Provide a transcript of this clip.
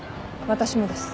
私もです。